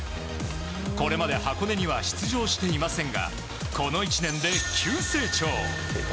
これまで箱根には出場していませんがこの１年で急成長。